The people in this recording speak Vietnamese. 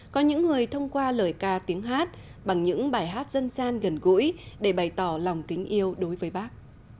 có những người thông qua lời ca tiếng hát bằng những bài hát dân gian gần gũi để bày tỏ lòng kính yêu đối với bác